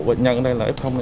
để jong lên